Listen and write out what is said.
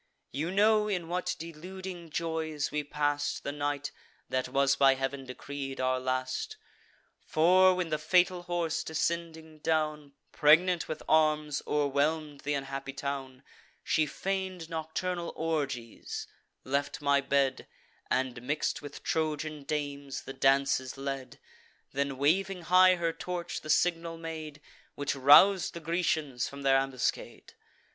You know in what deluding joys we pass'd The night that was by Heav'n decreed our last: For, when the fatal horse, descending down, Pregnant with arms, o'erwhelm'd th' unhappy town She feign'd nocturnal orgies; left my bed, And, mix'd with Trojan dames, the dances led Then, waving high her torch, the signal made, Which rous'd the Grecians from their ambuscade.